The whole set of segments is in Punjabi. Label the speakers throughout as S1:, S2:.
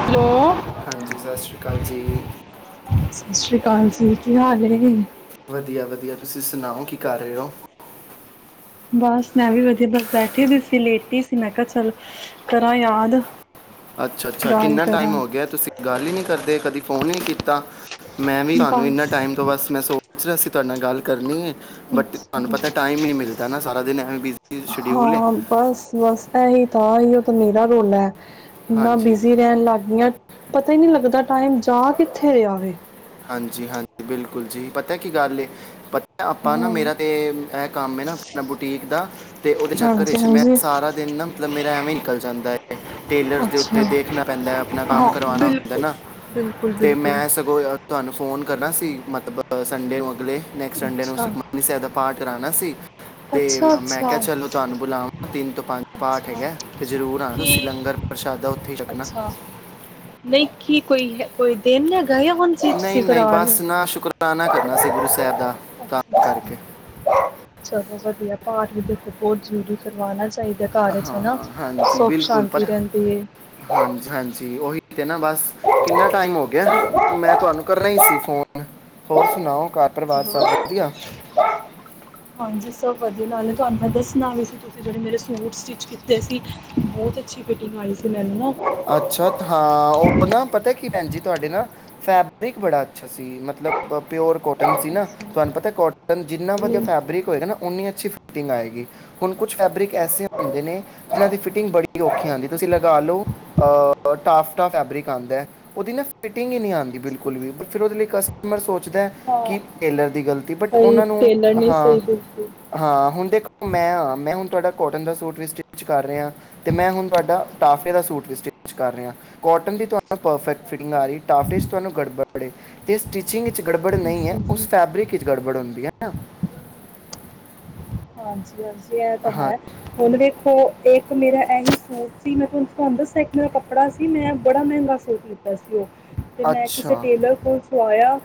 S1: ਹੈਲੋ
S2: ਹਾਂਜੀ ਸਤਿ ਸ੍ਰੀ ਅਕਾਲ ਜੀ,
S1: ਹਾਂਜੀ ਕੀ ਹਾਲ ਐ?
S2: ਵਧੀਆ-ਵਧੀਆ ਤੁਸੀਂ ਸੁਣਾਓ ਕੀ ਕਰ ਰਹੇ ਹੋ।
S1: ਬਸ ਮੈਂ ਵੀ ਵਧੀਆ ਬਸ ਬੈਠੀ ਵੀ ਸੀ ਲੇਟੀ ਸੀ ਮੈਂ ਕਿਹਾ ਚੱਲ ਕਰਾਂ ਯਾਦ
S2: ਅੱਛਾ ਅੱਛਾ
S1: ਗੱਲ
S2: ਕਿੰਨਾ
S1: ਕਰਾਂ।
S2: ਟਾਈਮ ਹੋ ਗਿਆ ਤੁਸੀਂ ਗੱਲ ਹੀ ਨੀ ਕਰਦੇ ਕਦੇ ਫੋਨ ਹੀ ਨੀ ਕੀਤਾ ਮੈਂ ਵੀ ਤੁਹਾਨੂੰ
S1: ਬਸ
S2: ਇਨਾ ਟਾਈਮ ਤੋਂ ਬਸ ਮੈਂ ਸ ਅਸੀਂ ਤੁਹਾਡੇ ਨਾਲ ਗੱਲ ਕਰਨੀ ਹੈ। ਬਟ ਤੁਹਾਨੂੰ
S1: ਅੱਛਾ।
S2: ਪਤਾ ਟਾਈਮ ਹੀ ਨਹੀਂ ਮਿਲਦਾ, ਨਾ ਸਾਰਾ ਦਿਨ ਐਵੇਂ ਬਿਜ਼ੀ ਸ਼ਡਿਊਲ ਹੈ।
S1: ਹਾਂ ਬਸ ਬਸ ਇਹੀ ਤਾਂ ਹੀ ਉਹ ਤਾਂ ਮੇਰਾ ਰੋਲਾ ਐ। ਇੰਨਾ
S2: ਹਾਂਜੀ
S1: ਬਿਜੀ ਰਹਿਣ ਲੱਗ ਗਈਆਂ। ਪਤਾ ਹੀ ਨਹੀਂ ਲੱਗਦਾ ਟਾਈਮ ਜਾ ਕਿੱਥੇ ਰਿਹਾ ਵ,
S2: ਹਾਂਜੀ ਹਾਂਜੀ ਬਿਲਕੁਲ ਜੀ ਪਤਾ ਕੀ ਗੱਲ ਤਾ, ਆਪਾਂ ਨਾ
S1: ਹਾਂ।
S2: ਮੇਰਾ ਤੇ, ਕੰਮ ਨਾ ਆਪ ਬੁਟੀਕ ਦਾ ਤੇ ਉਹਦੇ ਚੱਕਰ
S1: ਹਾਂਜੀ
S2: ਵਿੱਚ ਮੈਂ
S1: ਹਾਂਜੀ।
S2: ਸਾਰਾ ਦਿਨ ਨਾ ਮਤਲਬ ਮੇਰਾ ਐਵੇਂ ਨਿਕਲ ਜਾਂਦਾ ਐ। ਟੇਲਰ ਦੇ ਉੱਤੇ
S1: ਅੱਛਾ।
S2: ਦੇਖਣਾ ਪੈਂਦਾ ਆਪਣਾ ਕੰਮ
S1: ਹਾਂ
S2: ਕਰਵਾਣਾ ਹੁੰਦਾ
S1: ਬਿਲਕੁਲ
S2: ਨਾ
S1: ਬਿਲਕੁਲ
S2: ਤੇ
S1: ਬਿਲਕੁਲ।
S2: ਮੈਂ ਸਗੋਂ। ਸਹਾਨੂੰ ਫੋਨ ਕਰਨਾ ਸੀ ਮਤਲਬ ਸੰਡੇ ਨੂੰ ਅਗਲੇ ਨੈਸਟ ਸਡੇ ਨੂੰ
S1: ਅੱਛਾ
S2: ਸੁਖਮਣੀ ਸਾਹਿਬ ਦਾ ਪਾਠ ਕਰਾਣਾ ਸੀ। ਤੇ
S1: ਅੱਛਾ
S2: ਮੈਂ ਕਿਹਾ
S1: ਅੱਛਾ
S2: ਚਲੋ ਤੁਹਾਨੂੰ ਬੁਲਾਵਾਂ ਤਿੰਨ ਤੋਂ ਪੰਜ ਪਾਠ
S1: ਅੱਛਾ।
S2: ਹੈਗਾ ਤੇ ਜ਼ਰੂਰ ਆਣਾ
S1: ਕੀ,
S2: ਤੁਸੀਂ ਲੰਗਰ ਪ੍ਰਸ਼ਾਦਾ ਉੱਥੇ ਹੀ ਛਕਣਾ
S1: ਅੱਛਾ, ਨਹੀਂ ਕੀ ਕੋਈ ਹੈ। ਕੋਈ ਤਿੰਨ
S2: ਨਹੀਂ -ਨਹੀਂ ਬਸ ਨਾ ਸ਼ੁਕਰਾਨਾ ਕਰਨਾ ਸੀ। ਗੁਰੂ ਸਾਹਿਬ ਦਾ
S1: ਅੱਛਾ
S2: ਤਾਂ
S1: ਅੱਛਾ
S2: ਕਰਕੇ
S1: ਚਲੋ ਵਧੀਆ ਪਾਠ ਵੀ ਦੇਖੋ ਬਹੁਤ ਜ਼ਰੂਰੀ ਕਰਵਾਉਣਾ ਚਾਹੀਦਾ। ਘਰ 'ਚ ਹਨਾ।
S2: ਹਾਂ। ਹਾਂਜੀ,
S1: ਸੁੱਖ
S2: ਬਿਲਕੁਲ
S1: ਸ਼ਾਂਤੀ
S2: ਪਰ
S1: ਰਹਿੰਦੀ ਏ।
S2: ਹਾਂਜੀ- ਹਾਂਜੀ ਉਹੀ ਨਾ ਬਸ ਕਿੰਨਾ ਟਾਈਮ ਹੋ ਗਿਆ। ਮੈਂ ਤੁਹਾਨੂੰ ਕਰ ਹੀ ਸੀ ਫੋਨ ਹੋਰ ਸੁਣਾਓ, ਘਰ ਪਰਿਵਾਰ ਸਭ ਵਧੀਆ
S1: ਹਾਂਜੀ। ਸਭ ਵਧੀਆ ਨਾਲ ਨੇ ਤੁਹਾਨੂੰ ਮੈਂ ਦੱਸਣਾ ਵੀ ਸੀ। ਤੁਸੀਂ ਜਿਹੜੇ ਮੇਰੇ ਸੂਟ ਸਟਿੱਚ ਕੀਤੇ ਸੀ। ਬਹੁਤ ਅੱਛੀ ਫਿਟਿੰਗ ਆਈ ਸੀ ਮੈਨੂੰ ਨਾ
S2: ਅੱਛਾ। ਹਾਂ, ਉਹ ਨਾ ਪਤਾ ਕੀ ਭੈਣ ਜੀ ਤੁਹਾਡੇ ਨਾ ਫੈਬਰਿਕ ਬੜਾ ਅੱਛਾ ਸੀ। ਮਤਲਬ ਪਿਓਰ ਕੋਟਨ ਸੀ। ਨਾ
S1: ਅੱਛਾ
S2: ਤੁਹਾਨੂੰ ਪਤਾ ਕੋਟ ਜਿੰਨਾ ਵਧੀਆ ਫੈਬਰਿਕ ਹੋਏਗਾ ਨਾ ਅਓਨੀ ਅੱਛੀ ਫਟਿੰਗ ਆਏਗੀ। ਹੁਣ ਕੁਛ ਫੈਬਰਿਕ ਐਸੇ ਹੁੰਦੇ ਨੇ, ਜਿਹਨਾਂ ਦੀ ਫਿਟਿੰਗ ਬੜੀ ਔਖੀ ਹੁੰਦੀ। ਤੁਸੀਂ ਲਗਾ ਲਓ ਟਾਫ- ਟਫ ਫੈਬਰਿਕ ਆਂਦਾ ਹੈ। ਉਹਦੀ ਨਾ ਫਿਟਿੰਗ ਹੀ ਨਹੀਂ ਆਉਂ ਬਿਲਕੁਲ ਵੀ ਫਿਰ ਉਹਦੇ ਲਈ ਕਸਟਮਰ ਸੋਚਦਾ ਹੈ।
S1: ਹਾਂ
S2: ਕਿ ਟੇਲਰ ਦੀ ਗ ਬਟ
S1: ਬਈ
S2: ਉਹਨਾਂ ਨੂੰ
S1: ਟੇਲਰ ਨਹੀਂ
S2: ਹਾਂ,
S1: ਸਹੀ ਬਿਲਕੁਲ
S2: ਹਾਂ ਹੁਣ ਦੇਖ ਮੈਂ ਹਾਂ, ਮੈਂ ਹੁਣ ਤੁਹਾਡਾ ਕੋਟਨ ਦਾ ਸੂਟ ਵੀ ਸਟਿਚ ਕਰ ਰਿਹਾ ਤੇ ਮੈਂ ਹੁਣ ਤੁਹਾਡਾ ਟਾਫੇ ਦਾ ਸੂਟ ਵੀ ਸਟ ਕਰ ਰਿ ਕੋਟਨ ਦੀ ਤੁਹਾਨੂੰ ਪਰਫੈਕਟ ਫਿਟਿੰਗ ਆ ਰਹੀ ਟਾਫੇ ਚ ਤੁਹਾਨੂੰ ਗੜਬੜ ਤੇ ਸਟਿਚਿੰਗ ਵਿੱਚ ਗੜਬੜ ਨਹੀਂ ਹੈ
S1: ਜੀ ਜੀ
S2: ਉਸ ਫੈਬਰਿਕ ਵਿਚ ਗੜਬੜ ਹੁੰਦੀ ਹੈ।
S1: ਹਾਂਜੀ -ਹਾਂਜੀ ਕਿਹਾ ਤੇ
S2: ਹਾਂ
S1: ਹੈ। ਹੋਣਾ ਵੀ ਉਹ ਇੱਕ ਮੇਰਾ ਔਇੰਜ ਸੂਟ ਸੀ। ਮੈਂ ਤੁਹਾਨੂੰ ਦੱਸ ਇੱਕ ਮੇਰਾ ਕੱਪੜਾ ਸੀ। ਮੈਂ ਬੜਾ ਮਹਿੰਗਾ ਸੂਟ ਲਿੱਤਾ ਸੀ। ਉਹ ਤੇ ਮੈਂ ਕਿਸੇ
S2: ਅੱਛਾ
S1: ਟੇਲਰ ਕੋਲ ਸਵਾਇਆ।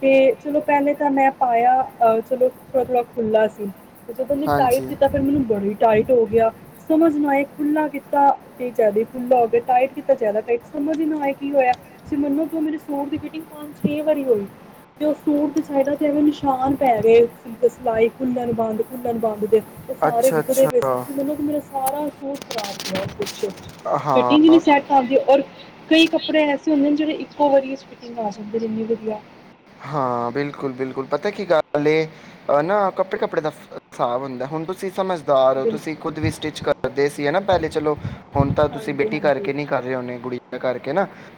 S1: ਤੇ ਚਲੋ ਪਹਿਲੇ ਤਾਂ, ਮੈਂ ਪਾਇਆ ਅਹ ਚਲੋ ਥੋੜ੍ਹਾ- ਥੋੜ੍ਹਾ ਖੁੱਲਾ ਸੀ। ਜਦੋਂ ਮੈ ਟਾਈਟ
S2: ਹਾਂਜੀ
S1: ਕੀਤਾ। ਫਿਰ ਮੈਨੂੰ ਬੜੀ ਟਾਈਟ ਹੋ ਗਿਆ। ਸਮਝ ਨਾ ਆਏ ਖੁੱਲਾ ਕੀਤਾ ਤੇ ਜੈਦਾ ਹੀ ਖੁੱਲਾ ਹੋ ਖੁਲਣ ਬੰਦ ਦੇ ਉਹ ਸਾਰੇ
S2: ਅੱਛਾ
S1: ਵਿਕਦੇ ਪਏ ਸੀ।
S2: ਅੱਛਾ
S1: ਤੁਸੀਂ ਮਤਨਬ ਕਿ ਮੇਰਾ ਸਾਰਾ ਸੂਟ ਖਰਾਬ ਪਿਆ ਸੀ। ਫਿਟਿੰਗ ਵੀ ਨੀ
S2: ਹਾਂ
S1: ਸੈੱਟ ਕਰਦੀ ਰ ਕਈ ਕੱਪੜੇ ਐਸੇ ਹੁੰ ਜਿਹੜੇ ਇੱਕੋ ਵਾਰੀ ਫਟਿੰਗ ਆ ਸਕਦੇ ਨੇ ਇੰਨੀ ਵਧੀਆ
S2: ਹਾਂ। ਬਿਲਕੁਲ- ਬਿਲਕੁਲ ਪਤਾ ਕੀ ਗੱਲ ਨਾ ਕੱਪੜੇ -ਕੱਪੜੇ ਦਾ ਹਿਸਾਬ ਹੁੰਦਾ। ਹੁਣ ਤੁਸੀਂ ਸਮਝਦੇ ਤੁਸੀਂ
S1: ਬਿਲਕੁਲ
S2: ਖੁਦ ਵੀ ਸਟਿਚ ਕਰਦੇ ਸੀ। ਹਨਾ ਪਹਿਲੇ ਚਲੋ, ਹੁਣ ਤਾਂ ਤੁਸੀਂ
S1: ਹਾਂਜੀ
S2: ਬੇਟੀ
S1: ਹਾਂਜੀ
S2: ਕਰਕੇ ਨੀ ਕਰ ਰਹੇ ਹੋਦੇ ਗੁੜੀਆਂ ਕਰਕੇ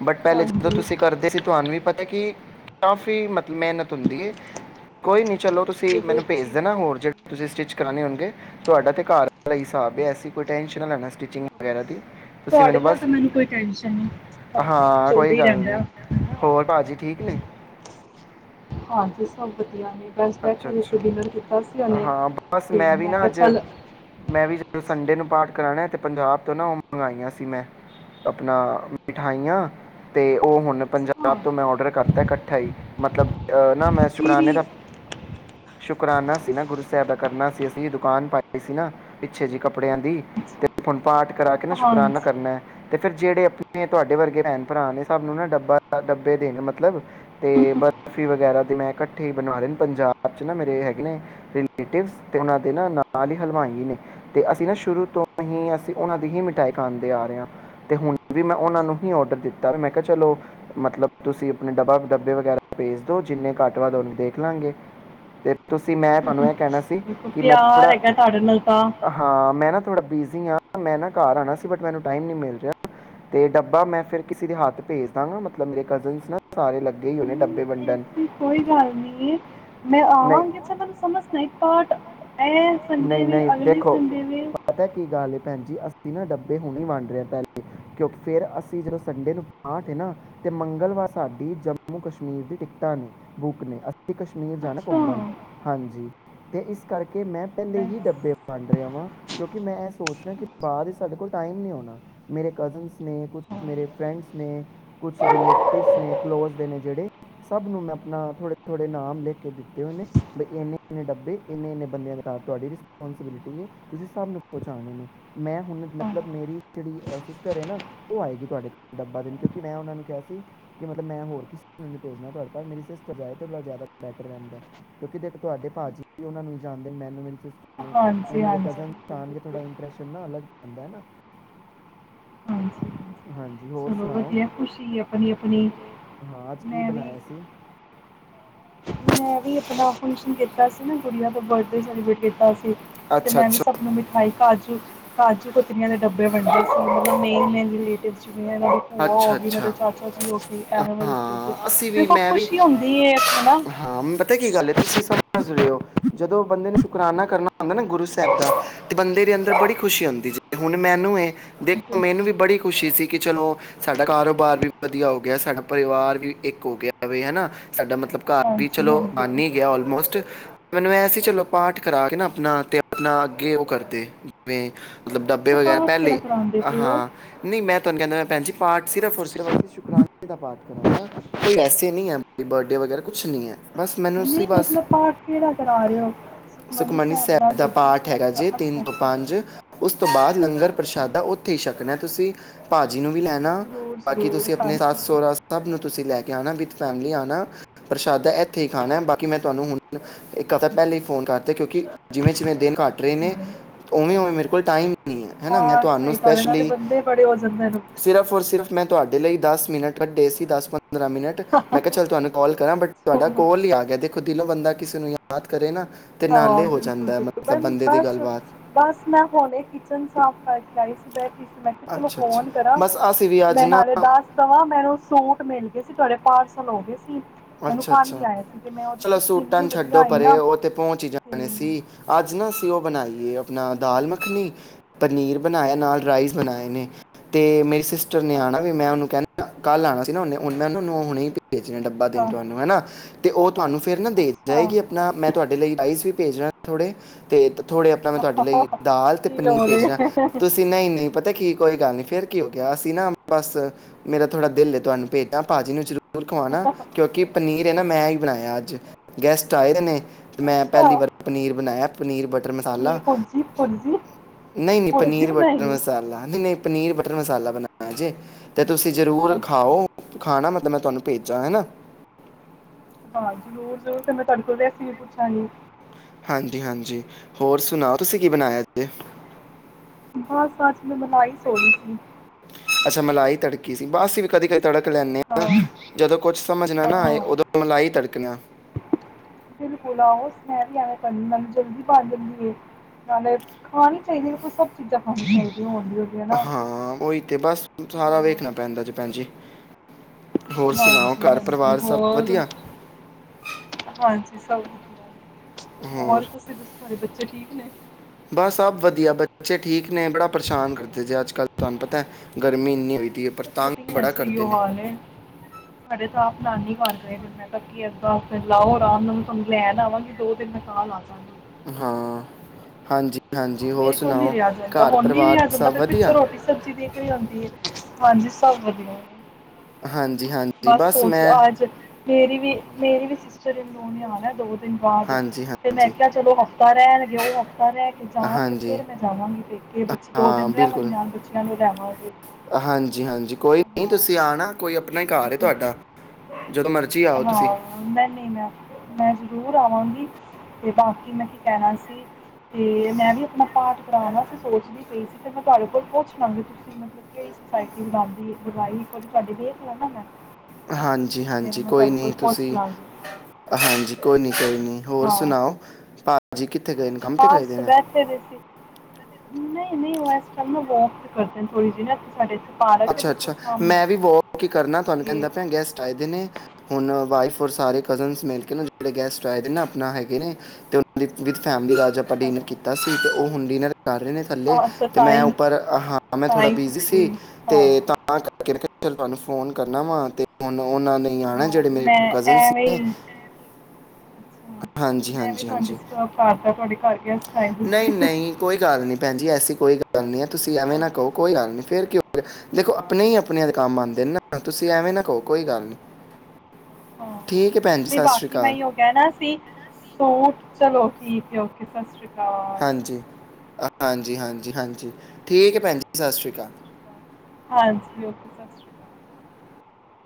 S2: ਬਟ ਪਹਿਲੇ ਜਦੋਂ
S1: ਹਾਂਜੀ
S2: ਤੁਸੀਂ ਕਰਦੇ ਸੀ। ਤੁਹਾਨੂੰ ਵੀ ਪਤਾ ਕੀ ਕਾਫ਼ੀ ਮਤਲਬ ਮਿਹਨਤ ਹੁੰਦੀ ਹੇ, ਕੋਈ ਨ ਚਲੋ ਤੁਸੀਂ
S1: ਜ਼ਰੂਰ
S2: ਮੈਨੂੰ ਭੇਜ
S1: ਜੀ
S2: ਦੇਣਾ ਹੋਰ
S1: ਬਹੁਤ ਜੀ
S2: ਜਿਹੜੀ ਤੁਸੀਂ ਸਟਿਚ ਕਰਾਣੇ ਹੁੰਦੇ। ਤੁਹਾਡਾ ਤੇ ਘਰ ਵਾਲਾ ਹਿਸਾਬ
S1: ਹਾਂਜੀ
S2: ਅਸੀ ਕੋਈ ਟੈਸ਼ਨ ਨਾ ਲੈਣਾ। ਸਟੀਚਿੰਗ ਵਗੈਰਾ ਦੀ ਤੁਸੀਂ
S1: ਤੁਹਾਡੇ ਨਾਲ
S2: ਬਸ
S1: ਤਾਂ ਮੈਨੂੰ ਕੋਈ ਟੈਸ਼ਨ ਨਹੀਂ ਕੁ
S2: ਹਾਂ
S1: ਚੱਲਦਾ
S2: ਕੋਈ
S1: ਹੀ
S2: ਗੱਲ
S1: ਰਹਿੰਦਾ
S2: ਨਹੀਂ
S1: ਆ
S2: ਹੋਰ ਭਾਅ ਜੀ ਠੀਕ ਨੇ
S1: ਹਾਂਜੀ ਸਭ ਵਧੀਆ ਨੇ ਬਸ
S2: ਅੱਛਾ
S1: ਬੈਠੇ ਸੀ ਡਿਨਰ ਕੀਤਾ ਸੀ
S2: ਅੱਛਾ
S1: ਉਹਨੇ
S2: ਹਾਂ ਬਸ
S1: ਤੇ
S2: ਮੈਂ ਵੀ ਨਾ
S1: ਕਿਹਾ
S2: ਅੱਜ
S1: ਚੱਲ
S2: ਮੈਂ ਵੀ ਜਦੋਂ ਸੰਡੇ ਨੂੰ ਪਾਠ ਕਰਾਣਾ- ਤੇ ਪੰਜਾਬ ਤੋਂ ਨਾ ਉਹ ਮੰਗਾਈਆਂ ਸੀ ਮੈਂ ਆਪਣਾ ਮਿਠਾਈਆਂ ਤੇ ਉਹ ਹੁਣ- ਪੰਜਾਬ
S1: ਅੱਛਾ
S2: ਤੋਂ ਮੈਂ ਔਡਰ ਕਰ- ਇਕੱਠਾ ਹੀ ਮਤਲਬ ਅਹ ਨਾ ਮੈਂ ਸ਼ੁਕਰਾਨੇ
S1: ਕਿਹੜੀ
S2: ਦਾ- ਸ਼ੁਕਰਾਨਾ ਸੀ ਨਾ ਗੁਰੂ ਸਾਹਿਬ ਦਾ ਕਰਨਾ ਸੀ ਅਸੀਂ ਦੁਕਾਨ ਪਾਈ ਸੀ ਨਾ ਪਿੱਛੇ ਜਿਹੀ ਕੱਪੜਿਆਂ ਦੀ
S1: ਅੱਛਾ
S2: ਤੇ ਹੁਣ ਪਾਠ- ਕਰਾ ਕੇ ਨਾ ਸ਼ੁਕਰਾਨਾ
S1: ਹਾਂਜੀ
S2: ਕਰਨਾ- ਅਤੇ ਫਿਰ ਜਿਹੜੇ ਆਪਣੇ ਤੁਹਾਡੇ ਵਰਗੇ ਭੈਣ ਭਰਾ ਨੇ ਸਭ ਨੂੰ ਨਾ ਡੱਬਾ ਡੱਬੇ ਦੇਣ ਮਤਲਬ ਅਤੇ ਬਰਫ਼ੀ ਵਗੈਰਾ ਦੇ ਮੈਂ ਇਕੱਠੇ ਹੀ ਬਣਾਵਾ ਦੇਣ- ਪੰਜਾਬ 'ਚ ਨਾ ਮੇਰੇ ਹੈਗੇ ਨੇ ਰਿਲੇਟਿਵਸ ਤੇ ਉਹਨਾਂ ਦੇ ਨਾ ਨਾਲ ਹੀ ਹਲਵਾਈ ਨੇ ਤੇ ਅਸੀਂ ਨਾ ਸ਼ੁਰੂ ਤੋਂ ਹੀ ਅਸੀਂ ਉਹਨਾਂ ਦੀ ਹੀ ਮਿਠਾਈ ਖਾਾਂਦੇ ਆ ਰਹੇ ਹਾਂ ਤੇ ਹੁਣ ਵੀ ਮੈਂ ਉਹਨਾਂ ਨੂੰ ਹੀ
S1: ਅੱਛਾ
S2: ਔਡਰ ਦਿੱਤਾ ਵੀ ਮੈਂ ਕਿਹਾ ਚਲੋ ਮਤਲਬ ਤੁਸੀਂ ਆਪਣੇ ਡੱਬਾ ਡੱਬੇ ਵਗੈਰਾ ਭੇਜ ਦਿਓ ਜਿੰਨੇ ਘੱਟ ਵੱਧ ਉਹਨੂੰ ਦੇਖ ਲਾਂਗੇ- ਤੇ- ਤੁਸੀਂ ਮੈਂ ਤੁਹਾਨੂੰ ਇਹ ਕਹਿਣਾ ਸੀ
S1: ਬਿਲਕੁਲ
S2: ਕਿ ਮੈਂ
S1: ਪਿਆਰ
S2: ਥੋੜਾ
S1: ਹੈਗਾ ਤੁਹਾਡੇ ਨਾਲ ਤਾਂ
S2: ਹਾਂ ਮੈਂ ਨਾ ਥੋੜਾ ਬੀ- ਮੈਂ ਨਾ ਘਰ ਆਉਣਾ ਸੀ ਬਟ ਮੈਨੂੰ ਟਾਈਮ ਨੀ ਮਿਲ ਰਿਹਾ ਤੇ ਡੱਬਾ ਮੈਂ ਫਿਰ ਕਿਸੇ ਦੇ ਹੱਥ ਭੇਜ ਦਾਂਗਾ ਮਤਲਬ ਮੇਰੇ ਕਜ਼ਨ ਨਾ ਸਾਰੇ ਲੱਗੇ ਹੀ ਹੋ ਨੇ
S1: ਨਹੀਂ
S2: ਡੱਬੇ ਵੰਡਣ-
S1: ਐਸੀ ਕੋਈ ਗੱਲ ਨੀ- ਮੈਂ
S2: ਨਹੀਂ
S1: ਆਵਾਂਗੀ ਅੱਛਾ ਮੈਨੂੰ ਸਮਝ ਇੱਕ ਕਾਡ- ਇਹ ਸੰਡੇ
S2: ਨਹੀਂ
S1: ਵੀ
S2: ਨਹੀਂ
S1: ਅਗਲੇ
S2: ਦੇਖੋ
S1: ਸੰਡੇ ਵੇ-
S2: ਪਤਾ ਕੀ ਗੱਲ ਹੈ ਭੈਣ ਜੀ ਨਾ ਡੱਬੇ ਹੁਣੇ ਵੰਡ ਰਹੇ ਪਹਿਲੇ ਹੀ ਕਿਉਂਕ ਫੇਿਰ ਅਸੀਂ ਜਦੋਂ ਹਸੀ ਸੰਡੇ ਨੂੰ ਪਾਠ ਏ ਨਾ ਤੇ ਮੰਗਲਵਾਰ ਸਾਡੀ ਜੰਮੂ ਕਸ਼ਮੀਰ ਦੀ ਟਿਕਟਾਂ ਨੇ ਬੁੱਕ ਨੇ ਅਸੀਂ ਕਸ਼ ਕਸ਼ਮੀਰ ਜਾਣਾ
S1: ਅੱਛਾ
S2: ਘੁੰਮਣ ਹਾਂਜੀ ਤੇ ਇਸ ਕਰਕੇ ਮੈਂ ਪਹਿਲੇ ਹੀ ਡੱਬੇ ਵੰਡ ਰਿਹਾ ਵਾਂ ਕਿਉਂਕਿ ਮੈਂ ਇਹ ਸੋਚਦਾ ਕਿ ਬਾਅਦ ਸਾਡੇ ਕੋਲ ਟਾਈਮ ਨਹੀਂ ਹੋਣਾ। ਮੇਰੇ ਕਜ਼ਨਸ ਨੇ ਕੁਛ
S1: ਹਾਂ
S2: ਮੇਰੇ ਫਰੈਂਡਸ ਨੇ ਕੁਛ ਰਿਲੇਟਿਵਸ ਨੇ ਕਲੋਜ ਦੇ ਨੇ ਜਿਹੜੇ ਸਭ ਨੂੰ ਮੈਂ ਆਪਣਾ ਥੋੜੇ-ਥੋੜੇ ਨਾਮ ਲਿਖ ਕੇ ਦਿੱਤੇ ਹੋਏ ਨੇ ਬ ਇੰਨੇ-ਇੰਨੇ ਡੱਬੇ ਇੰਨੇ- ਇੰਨੇ ਬੰਦਿਆਂ ਦੇ ਘਰ ਤੁਹਾਡੀ ਰਿਸਪੋਂਸੀਬਿਲਿਟੀ ਹੈ ਤੁਸੀਂ ਸਭ ਨੂੰ ਪਹੁੰਚਾਉਣੇ ਨੇ। ਮੈਂ ਹੁਣ
S1: ਹਾਂ
S2: ਮਤਲਬ ਮੇਰੀ ਜਿਹੜੀ ਸਿਸਟਰ ਹੈ ਨਾ ਉਹ ਆਏਗੀ ਤੁਹਾਡੇ ਕੋਲ ਡੱਬਾ ਦੇਣ ਕਿਉਂਕਿ ਮੈਂ ਉਹਨਾਂ ਨੂੰ ਕਿਹਾ ਸੀ ਕਿ ਮਤਲਬ ਮੈਂ ਹੋਰ ਕਿਸੇ ਨੂੰ ਭੇਜਣਾ ਤੁਹਾਡੇ ਕੋਲ ਮੇਰੀ ਸਿਸਟਰ ਜਾਏ ਤੁਹਾਾ ਜ਼ਿਆਦਾ ਬੈਟਰ ਰਹਿੰਦਾ ਕਿਉਂਕਿ ਦੇਖ ਤੁਹਾਡੇ ਭਾਅ ਜੀ ਵੀ ਉਹਨਾਂ ਨੂੰ ਜਾਣਦੇ ਨੇ ਮੈਨੂੰ ਮੇਰੀ [inaudible]
S1: ਹਾਂਜੀ
S2: ਮੇਰੇ
S1: ਹਾਂਜੀ
S2: ਕਜ਼ਨ
S1: ਬਿਲਕੁਲ
S2: ਜਾਣਗੇ
S1: ਬਿਲਕੁਲ
S2: ਥੋੜਾ ਇੰਪਰੈਸ਼ਨ ਨਾ ਅਲੱਗ ਦਾ ਨਾ ਹਾਂਜੀ ਹੋਰ
S1: ਚਲੋ
S2: ਸੁਣਾਓ
S1: ਵਧੀਆ ਖੁਸ਼ੀ ਆਪਣੀ ਆਪਣੀ
S2: ਹਾਂ ਅੱਜ ਕੀ
S1: ਮੈਂ ਵੀ
S2: ਬਣਾਇਆ ਸੀ?
S1: ਮੈਂ ਵੀ ਆਪਣਾ ਫੰਕਸ਼ਨ ਕੀਤਾ ਸੀ ਨਾ ਗੁੜੀਆਂ ਦਾ ਬਰਡੇ ਸੈਲੀਬ੍ਰੇਟ ਕੀਤਾ ਸੀ। ਤੇ
S2: ਅੱਛਾ
S1: ਮੈਂ ਵੀ
S2: ਅੱਛਾ
S1: ਸਭ ਨੂੰ ਮਿਠਾਈ- ਕਾਜੂ ਕਾਜੂ ਕੁਤਲੀਆ ਦੇ ਡੱਬੇ ਵੰਡੇ ਸੀ ਮਤਲਬ ਮੇਨ- ਮੇਨ ਰਿਲੇਟਿਵਸ ਨੂੰ ਜਿਵੇਂ ਇਹਨਾਂ ਦੀ ਭੂਆ ਹੋ
S2: ਅੱਛਾ
S1: ਗਈ, ਇਹਨਾਂ ਦੇ
S2: ਅੱਛਾ
S1: ਚਾਚਾ ਜੀ ਹੋ ਗਏ, ਐਵੇ-
S2: ਹਾਂ ਅਸੀਂ
S1: ਐਵੇਂ
S2: ਵੀ
S1: ਦੇਖੋ
S2: ਮੈਂ ਵੀ
S1: ਖੁਸ਼ੀ ਹੁੰਦੀ ਏ ਹਟਾ।
S2: ਹਾਂ ਪਤਾ ਕੀ ਗੱਲ ਏ ਤੁਸੀਂ ਸਮਝ ਰਹੇ ਹੋ ਜਦੋਂ ਬੰਦੇ ਨੂੰ ਸ਼ੁਕਰਾਨਾ ਕਰਨਾ ਹੁੰਦਾ ਨਾ ਗੁਰੂ ਸਾਹਿਬ ਦਾ ਤੇ ਬੰਦੇ ਦੇ ਅੰਦਰ ਬੜੀ ਖੁਸ਼ੀ ਹੁੰਦੀ ਜੇ ਹੁਣ ਮੈਨੂੰ ਏ ਦੇਖੋ
S1: ਬਿਲਕੁਲ
S2: ਮੈਨੂੰ ਵੀ ਬੜੀ। ਖੁਸ਼ੀ ਸੀ ਕਿ ਚਲੋ ਸਾਡਾ ਕਾਰੋਬਾਰ ਵੀ ਵਧੀਆ ਹੋ ਗਿਆ ਸਾਡਾ ਪਰਿਵਾਰ ਵੀ ਇੱਕ ਹੋ ਗਿਆਵੇ ਹਨਾ ਸਾਡਾ ਮਤਲਬ ਘਰ ਵੀ
S1: ਹਾਂਜੀ
S2: ਚਲੋ
S1: ਹਾਂਜੀ
S2: ਬਨ ਹੀ
S1: ਅੱਛਾ
S2: ਗਿਆ ਓਲਮੋਸਟ ਮੈਨੂੰ ਐ ਸੀ ਚਲੋ ਪਾਠ ਕਰਾ ਕੇ ਨਾ ਆਪਣਾ ਤੇ ਆਪਣਾ ਅੱਗੇ ਉਹ ਕਰਦੇ ਜਿਵੇਂ ਮਤਲਬ ਡੱਬੇ ਵਗੈਰਾ
S1: ਪਾਠ ਕਿਹੜਾ
S2: ਪਹਿਲੇ
S1: ਕਰਾਉਂਦੇ ਪਏ ਹੋ
S2: ਹਾਂ ਨਹੀਂ ਮੈਂ ਤੁਹਾਨੂੰ ਕਹਿੰਦਾ ਮ ਪੈਣਜੀ ਪਾਠ ਸਿਰਫ ਓਰ ਸਿਰਫ ਅਸੀ ਸ਼ੁਕਰਾਂਨੇ ਦਾ ਪਾਠ ਕਰਾਂਗੇ ਕੋਈ ਵੈਸੇ ਨੀ ਹੈ ਬਰਡੇ ਵਗੈਰਾ ਕੁਛ ਨੀ ਹੈ ਬਸ ਮੈਨੂੰ ਸ
S1: ਨਹੀਂ
S2: ਬਸ
S1: ਮਤਲਬ ਪਾਠ ਕਿਹੜਾ ਕਰਾ ਰਹੇ ਹੋ
S2: ਸੁਖਮਨੀ ਸਾਹਿਬ ਦਾ
S1: ਜਪਜੀ
S2: ਪਾਠ
S1: ਸਾਹਿਬ
S2: ਹੈਗਾ,
S1: ਦਾ
S2: ਜੇ ਤਿੰਨ
S1: ਅੱਛਾ
S2: ਤੋਂ
S1: ਅੱਛਾ
S2: ਪੰਜ
S1: ਅੱਛਾ
S2: ਉਸ ਤੋਂ ਬਾਅਦ ਲੰਗਰ
S1: ਅੱਛਾ
S2: ਪ੍ਰਸ਼ਾਦਾ ਉੱਥੇ ਹੀ ਛਕਣਾ ਤੁਸੀਂ ਭਾਜੀ ਨੂੰ ਵੀ ਲੈਣਾ
S1: ਅੱਛਾ ਜ਼ਰੂਰ
S2: ਬਾਕੀ
S1: ਜ਼ਰੂਰ
S2: ਤੁਸੀਂ ਆਪਣੇ
S1: ਹਾਂਜੀ
S2: ਸੱਸ ਸਹਰਾ ਸਭ ਨੂੰ ਤੁਸੀਂ ਲੈ ਫੈਮ ਆਣਾ ਪ੍ਰਸ਼ਾਦਾ ਇੱਥੇ ਹੀ ਖਾਣਾ ਬਾਕੀ ਮੈਂ ਤੁਹਾਨੂੰ ਹੁਣ ਇੱਕ ਹਫ਼ਤਾ ਪਹਿਲੇ ਹੀ ਫੋਨ ਕਰ ਦਿੱਤਾ, ਕਿਉਂਕਿ ਜਿਵੇਂ ਜਿਵੇਂ ਦਿਨ ਘੱਟ ਰਹੇ ਨੇ
S1: ਹਮ
S2: ਉਵੇਂ ਉਵੇਂ ਮੇਰੇ ਕੋਲ ਟਾਈਮ ਨਹੀਂ ਹੈ ਹੈਨਾ ਮੈਂ
S1: ਹਾਂ
S2: ਤੁਹਾਨੂੰ
S1: ਸਹੀ ਕ ਇਹ ਨਾਲੇ
S2: ਸਪੈਸ਼ਲੀ
S1: ਬੰਦੇ ਬੜੇ ਹੋ ਜਾਂਦੇ ਨੇ
S2: ਸਿਰਫ ਔਰ ਔਰ ਮੈਂ, ਤੁਹਾਡੇ ਲਈ ਦਸ ਮਿੰਟ ਕੱਢੇ ਸੀ ਦਸ ਪੰਦਰਾਂ ਮਿੰਟ ਮੈਂ ਕਿਹਾ ਚੱਲ ਤੁਹਾਨੂੰ ਕਾਲ ਕਰਾਂ ਬਟ ਤੁਹਾਡਾ ਕੋਲ ਹੀ ਆ ਗਿਆ। ਕੋ ਦਿਲੋ ਬੰਦਾ ਕਿਸੇ ਨੂੰ ਯਾਦ ਕਰੇ ਨਾ। ਤੇ
S1: ਹਾਂ
S2: ਨਾਲੇ ਹੋ
S1: ਬਿਲਕੁਲ
S2: ਜਾਂਦਾ ਹੈ,
S1: ਬਿਲਕੁਲ
S2: ਮਤਲਬ ਬੰਦੇ ਦੀ
S1: ਬਸ
S2: ਗੱਲਬਾਤ
S1: ਬਸ ਮੈਂ ਹੁਣੇ ਕਿਚਨ ਸਾਫ਼ ਕਰਕੇ ਚ ਸ ਬੈਂਤੀ, ਮੈਂ ਕਿਹਾ ਚਲੋ
S2: ਅੱਛਾ ਅੱਛਾ
S1: ਫੋਨ ਕਰਾਂ,
S2: ਬਸ ਅਸੀਂ ਵੀ ਅੱਜ
S1: ਮੈਂ
S2: ਨਾ
S1: ਨਾਲੇ ਦਸ ਦੇਵਾਂ। ਮੈਨੂੰ ਸੂਟ ਮਿਲ ਗਏ ਸੀ, ਤੁਹਾਡੇ ਪਾਰਸਲ ਹੋ ਗਏ। ਸੀ ਮੈਨੂੰ
S2: ਅੱਛਾ
S1: ਕੱਲ
S2: ਅੱਛਾ
S1: ਹੀ ਆਇਆ ਸੀ ਤੇ ਮੈਂ ਉਹਦੀ
S2: ਚਲੋ
S1: ਫਿਟਿੰਗ
S2: ਸੂਟਾਂ
S1: ਇੰਨੀ
S2: ਨੂੰ
S1: ਵਧੀਆ
S2: ਛੱਡੋ
S1: ਆਈ ਨਾ
S2: ਪਰੇ ਉਹ ਤੇ ਪਹੁੰਚ ਹੀ ਜਾਣ।
S1: ਤੇ
S2: ਬਣੇ ਸੀ ਅੱਜ ਨਾ ਸੀ ਉਹ ਬਣਾ ਆਪਣਾ ਦਾਲ ਮੱਖਣੀ ਪਨੀਰ ਬਣਾਇਆ ਨਾਲ ਰਾਈਸ ਬਣਾਏ ਨੇ ਤੇ ਮੇਰੀ ਸਿਸ ਨੇ ਆਣਾ ਵੀ ਮੈਂਨੂੰ
S1: ਅੱਛਾ
S2: ਕਹਿੰਦਾ। ਕੱਲ ਆਣਾ ਸੀ, ਨਾ ਉਹਨੇ ਨੁੰ ਨੋਨ ਐ ਵੇਚੇ ਡੱਬਾ ਦਿੰਦੇ। ਨਾ ਤੇ ਉਹ ਤੁਹਾਨੂੰ ਫਿਰ ਨਾ ਦੇ
S1: ਅੱਛਾ
S2: ਜਾਏਗੀ ਆਪਣਾ ਮੈਂ ਤੁਹਾਡੇ ਲਈ ਰਾਈਸ ਵੀ ਭੇਜਣਾ ਥੋੜੇ ਤੇ ਥੋੜ੍ਹੇ ਆਪਣਾ ਮੈਂ ਤੁਹਾਡੇ ਲਈ
S1: ਅੱਛਾ
S2: ਦਾਲ ਅਤੇ
S1: ਕੀ
S2: ਪਨੀਰ
S1: ਲੋੜ
S2: ਭੇਜ
S1: ਏ
S2: ਰਿਹਾ ਤੁਸੀਂ ਨਾ ਇੰਨੇ ਪਤਾ ਕੀ ਕੋਈ ਗੱਲ ਨੀ ਫੇਰ ਕੀ ਹੋ ਗਿਆ, ਅਸੀਂ ਨਾ ਬਸ ਮੇਰਾ ਥੋੜਾ ਦਿਲ ਤੁਹਾਨੂੰ ਭੇਜਣਾ ਭਾਜੀ ਨੂੰ ਜ਼ਰੂਰ ਖਵਾਉਣਾ ਕਿਉਂਕਿ ਪਨੀਰ ਹੈ ਨਾ ਮੈਂ ਹੀ ਬਣਾਇਆ ਅੱਜ ਗੈਸਟ ਆਏ ਦੇ ਨੇ ਮੈਂ ਪਹਿਲੀ
S1: ਅੱਛਾ
S2: ਵਾਰ ਪਨੀਰ ਬਣਾਇਆ ਪਨੀਰ ਬੜਾ
S1: ਕੀ
S2: ਮਸਾਲਾ
S1: ਪੁਰਜੀ ਪੁਰਜੀ
S2: ਨਹੀਂ ਨਹੀਂ
S1: ਪੁਰਜੀ
S2: ਪਨੀਰ
S1: ਬਣਾਈ
S2: ਬਟਰ
S1: ਏ?
S2: ਮਸਾਲਾ ਨਹੀਂ ਨਹੀਂ ਪਨੀਰ ਬ ਮਟਰ ਮਸਾਲਾ ਬਣਾਣਾ ਜੇ ਤੇ ਤੁਸੀਂ ਜਰੂਰ
S1: ਅੱਛਾ
S2: ਖਾਓ, ਖਾਣਾ ਮਤਲਬ ਮੈਂ ਤੁਹਾਨੂੰ ਭੇਜਾ ਹਨਾ। [inaudible]
S1: ਹਾਂ ਜ਼ਰੂਰ ਜ਼ਰੂਰ ਫ ਮੈਂ ਤੁਹਾਡੇ ਕੋਲ ਵੈਸੀ ਵੀ ਪੁੱਛਾਂਗੀ।
S2: ਹਾਂਜੀ ਹਾਂਜੀ ਹੋਰ ਸੁਣਾਓ ਤੁਸੀਂ ਕੀ ਬਣਾਇਆ ਅੱਜ।
S1: ਬਤ ਸੱਚ ਮੈਂ ਮਲਾਈ ਸੋੜੀ ਸੀ।
S2: ਅੱਛਾ ਮਲਾਈ ਤੜਕੀ ਸੀ ਬਸ ਵੀ ਕਦੀ ਕਦੇ ਤੜਕ ਲੈਂਦੇ
S1: ਹਾਂ,
S2: ਹਾ ਜਦੋਂ ਕੁਛ ਸਮਝ ਨਾ ਆਏ
S1: ਹਾਂ
S2: ਉਦੋਂ ਮਲਾਈ ਤੜਕੇ ਣਾਿਆ [unintelligible]
S1: ਬਿਲਕੁਲ ਜਲਦੀ ਪਾਲਦੀ ਖਾਣੀ ਚਾਹੀਦੀਆਂ ਸਭ ਚੀਜ਼ਾਂ ਖਾੀਆਂ ਚਾਹੀਦੀਆਂ ਹੁੰਦੀ ਉਹਦੀ ਹਨਾ।
S2: ਹਾਂ ਉਹੀ ਤੇ ਬਸ ਸਾਰਾ ਵੇਖਣਾ ਪੈਂਦਾ ਜੀ ਭੈਣ ਜੀ ਹੋਰ ਸੁਣਾਓ
S1: ਹਾਂਜੀ
S2: ਘਰ
S1: ਹਾਂਜੀ
S2: ਪਰਿਵਾਰ ਸਭ
S1: ਹੋਰ
S2: ਵਧੀਆ
S1: ਹਾਂਜੀ ਸਭ ਹੋਰ ਤੁਸੀਂ ਦੱਸੋ ਤੁਹਾਡੇ ਬੱਚੇ ਠੀਕ ਨੇ
S2: ਬਸ ਆਪਭ ਵਧੀਆ ਬੱਚੇ ਠੀਕ ਨੇ ਬੜਾ ਪਰੇਸ਼ਾਨ ਕਰਦੇ ਜੇ ਅੱਜ ਕੱਲ੍ਹ ਤੁਹਾਨੂੰ ਪਤਾ ਗਰਮੀ ਇੰਨੀ ਹੋ
S1: ਛੋਟੀੀਆਂ ਯੁਵਾ ਨੇ ਸਾਡੇ ਤਾਂ ਆਪ ਨਾਨੀ ਕਰ ਰਹੇ ਮੈਂ ਤਾਂ ਕਿ ੱਦਾਂ ਫਿਰ ਲਾਓ ਆਰਾਮ ਨਾਲ ਤੁਹਾਨੂੰ ਲੈਣ ਆਵਾਂਗੀ ਦੋ ਤਨ ਮੈਂ ਕ ਆ ਜਾਾਂਗੀ
S2: ਹਾਂ ਹਾਂਜੀ ਹਾਂਜੀ ਹੋਰ
S1: ਮੇਰੇ ਕੋਲ ਨੀ
S2: ਸੁਣਾਓ
S1: ਰਿਹਾ ਜਾਂਦਾ
S2: ਘਰ
S1: ਹੁਣ ਨੀ
S2: ਪਰਿਵਾਰ
S1: ਰਿਹਾ ਜਾਂਦਾ
S2: ਸਭ
S1: ਫੇਿਰ ਪਿੱਛੋਂ
S2: ਵਧੀਆ
S1: ਰੋਟੀ ਸਬਜ਼ੀ ਦੇਖ ਰ ਆਉਂਦੀ ਹੈ ਹਾਂਜੀੀ ਸਭ ਵਧੀਆ
S2: ਹਾਂਜੀ ਹਾਂਜੀ
S1: ਬਸ ਸੋਚੋ
S2: ਮੈਂ
S1: ਅੱਜ ਮੇਰੀ ਵੀ ਮੇਰੀ ਵੀ ਸਿਸਟਰ ਇ ਨੇ ਆਉਣਾ ਦੋ ਦਿ ਬਾਅਦ
S2: ਹਾਂਜੀ
S1: ਤੇ ਮੈਂ
S2: ਹਾਂਜੀ
S1: ਕਿਹਾ ਚਲੋ ਹਫ਼ਤਾ ਰਹਿਣ ਯੋ ਤਾ ਰਹਿ ਕੇ ਜਾਾਂਗੇ
S2: ਹਾਂਜੀ
S1: ਫਿਰ ਮੈਂ ਜਾਵਾਂਗੀ ਪੇਕੇ ਬੱਚੇ ਦੋ
S2: ਹਾਂ
S1: ਦਿਨ ਰਹਿਵਾਂਗੀ
S2: ਬਿਲਕੁਲ
S1: ਨਾਲ ਬੱਚਿਆਂ ਨੂੰ ਰਹਿਵਾਂਗੇ
S2: ਹਾਂਜੀ ਹਾਂਜੀ ਕੋਈ ਨਹੀਂ ਤੁਸੀਂ ਆਣਾ ਕੋਈ ਆਪਣਾ ਹੀ
S1: ਹਾਂ
S2: ਘਰ ਤੁਹਾਡਾ ਜਦੋਂ ਮੈਂ
S1: ਹਾਂਦਾ ਨਹੀਂ ਮ ਮੈਂ ਜ਼ਰੂਰ ਆਵਾਂਗੀ ਤੇ ਬਾਕੀ ਮੈਂ ਕੀ ਕਹਿਣਾ ਸੀ ਤੇ ਮੈਂ ਵੀ ਆਪਣਾ ਪਾਠ ਕਰਾਉਣਾ ਸੀ ਸੋਚਦੀ ਪਈ ਸੀ ਤੇ ਮੈਂ ਤੁਹਾਡੇ ਕੋਲ ਪੁੱਛ ਲਾਂਗੀ ਤੁਸੀਂ ਮਤਲਬ ਕਿੜ ਸੁਸਾਇਟੀ ਲਾਦੀਵਾਈ ਤੁਹਾਡੀ ਲਾਂਗਾ ਮੈਂ
S2: ਹਾਂਜੀ ਾਂਜੀ
S1: ਫਿਰ
S2: ਹਾਂਜੀ
S1: ਮੈਂ
S2: ਕੋਈ
S1: ਤੁਹਾਡੇ ਕੋਲ
S2: ਨਹੀਂ
S1: ਪੁੱਛ
S2: ਤੁਸੀਂ
S1: ਲਵਾਂਗੀ
S2: ਹਾਂਜੀ ਕੋਈ ਨਹੀਂ ਕੋਈ ਨੀ ਹੋਰ ਸੁਣਾਓ ਜੀ
S1: ਪਾਸ ਬੈਠੇ ਰ ਸੀ ਨਹੀਂ ਨਹੀਂ ਉਹ ਇਸ ਟਾਈਮ ਨਾ ਵੋਕ ਤੇ ਕਰਦੇ ਥੋੜੀ ਜਿਹੀ ਨਾ ਸਾਡੇ ਇੱਥੇ ਪਾਰਕ ਹੈ
S2: ਅੱਛਾ
S1: ਬਿਲਕੁਲ
S2: ਅੱਛਾ
S1: ਸਾਹਮਣੇ
S2: ਮੈਂ ਵੀ ਬਹੁਤ ਕੀ ਕਰਨਾ ਤੁਹਾਨੂੰ
S1: ਅਤੇ
S2: ਕਹਿੰਦਾ ਭ ਗੈਸਟ ਆਏਦੇ ਨੇ ਹੁਣ ਵਫ ਸਾਰੇ ਕਜ਼ਨ ਮਿਲ ਕੇ ਨਾ ਜਿਹੜੇ ਗੈਸਟ ਆਏ ਨੇ ਨਾ ਆਪਣਾ ਹੈਗੇ ਨੇ ਤੇ ਦੀ ਵਿ ਫੈਮਲੀ ਰਾਜ ਆਪਾਂ
S1: ਅੱਛਾ
S2: ਡਿਨਰ
S1: ਅੱਛਾ
S2: ਕੀਤਾ ਸੀ ਤੇ ਉਹ ਹੁਣ ਡਿਨਰ ਕਰ ਰਹੇ ਨੇ ਥੱਲੇ
S1: ਹਾਂ ਅੱਛਾ
S2: ਤੇ
S1: ਤਾਂ
S2: ਮੈਂ
S1: ਹੀ
S2: ਉੱਪਰ ਹਾਂ ਮੈਂ
S1: ਤਾਂ
S2: ਥੋੜਾ
S1: ਹੀ
S2: ਬਿਜ਼ੀ ਸੀ
S1: ਤੁਸੀਂ
S2: ਤੇ
S1: ਹਾਂ
S2: ਤਾਂ ਕਰਕੇ ਚਲ ਤੁਹਾਨੂੰ ਫੋਨ ਕਰਨਾ
S1: ਚਲੋ
S2: ਵਾ ਤੇ ਹੁਣ ਉਹ ਨੇ ਆਉਣਾ
S1: ਹਾਂ
S2: ਜਿਹੜੇ ਮੇਰੇ
S1: ਮੈਂ
S2: ਕਜ਼ਨ
S1: ਐਵੇਂ
S2: ਸੀ
S1: ਹੀ ਅੱਛਾ
S2: ਹਾਂਜੀ
S1: ਮੈਂ ਵੀ
S2: ਹਾਂਜੀ
S1: ਤੁਹਾਨੂੰ
S2: ਹਾਂਜੀ
S1: ਡਿਸਟਰਬ ਕਰਤਾ ਤੁਹਾਡੇ ਘਰ ਗੈਸਟ ਆਏ ਹੋਏ
S2: ਨਹੀਂ
S1: ਸੀ
S2: ਨਹੀਂ ਕੋਈ ਗੱਲ ਨੀ ਭੈਣ ਜ ਐਸੀ ਕੋਈ ਗੱਲ ਨੀ ਹੈ ਤੁਸੀਂ ਐਵੇਂ
S1: ਹਾਂ
S2: ਨਾ ਕਹੋ ਕੋਈ ਗੱਲ ਨਹੀ ਫਿਰਰਓ ਦੇਖੋ ਆਪਣੇ ਹੀ ਆਪਣੇ ਦੁਕਮ ਆਣਦੇ ਨੇ ਨਾ ਤੁਸੀ ਐਵੇਂ ਨਾ ਕਹੋ ਕੋਈ ਗੱਲ ਨਹੀ
S1: ਹਾਂ ਵੀ ਬਾਕੀ ਮੈਂ
S2: ਅਕਾਲ
S1: ਹੀ ਉਹ ਕਹਿਣਾ ਸੀ ਸੂਟ ਚਲੋ ਠੀਕ ਹੈ ਓਕੇ ਸਤਿ ਸ਼੍ਰੀਕ ਹ
S2: ਹਾਂਜੀ ਅ- ਹਾਂਜੀ ਹਾਂਜੀ ਹਾਂਜੀ ਠੀਕ ਹੈ ਭੈਣ ਜ
S1: ਸਤਿ ਸ਼੍ਰੀ ਅਕਾਲ ਹਾਂਜੀ ਓਕੇ ਅਕਾਲ